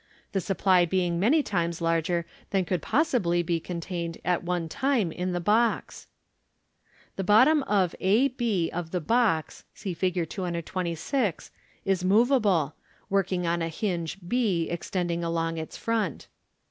the supply being many times larger than could possibly be con tained at one time in the box. The bottom a b of the box. (see Fig. 226) is moveable, working on a hinge b extending along its front.